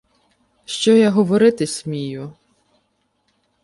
Що я говорити смію